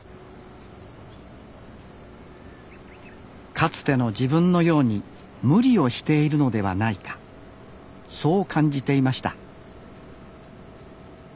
かつての自分のように無理をしているのではないかそう感じていました